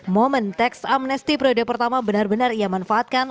momen teks amnesti periode pertama benar benar ia manfaatkan